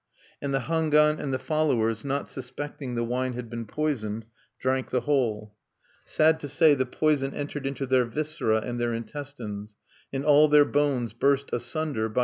And the Hangwan and his followers, not suspecting the wine had been poisoned, drank the whole. Sad to say, the poison entered into their viscera and their intestines; and all their bones burst asunder by reason of the violence of that poison.